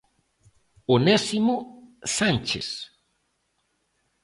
Onésimo Sánchez.